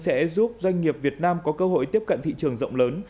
sẽ giúp doanh nghiệp việt nam có cơ hội tiếp cận thị trường rộng lớn